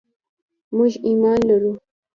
موږ ایمان لرو.